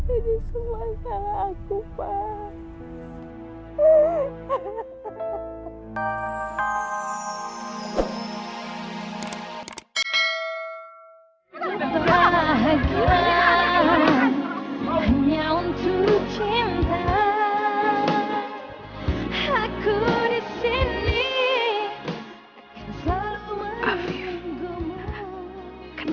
ini semua salah aku pak